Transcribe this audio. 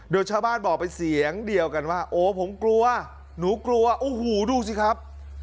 โดยชาวบ้านบอกเป็นเสียงเดียวกันว่าโอ้ผมกลัวหนูกลัวโอ้โหดูสิครับ